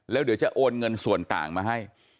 แล้วเดี๋ยวจะโอนเงินส่วนต่างมาให้